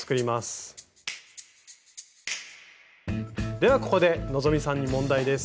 ではここで希さんに問題です。